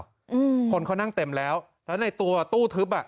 อืมคนเขานั่งเต็มแล้วแล้วในตัวตู้ทึบอ่ะ